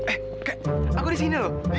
eh kak aku di sini loh